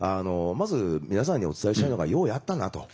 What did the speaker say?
まず皆さんにお伝えしたいのがようやったなと。